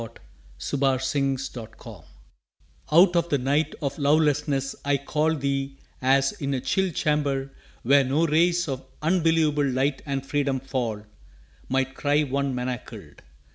TO HER WHO SHALL COME 1 Out of the night of lovelessness I call Thee, as, in a chill chamber where no rays Of unbelievable light and freedom fall, Might cry one manacled!